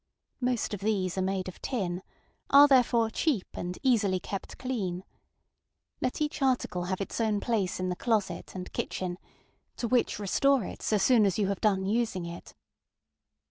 Most of these are made of tinŌĆöare therefore cheap and easily kept clean. Let each article have its own place in the closet and kitchen, to which restore it so soon as you have done using it.